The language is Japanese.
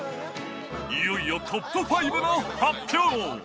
いよいよトップ５の発表。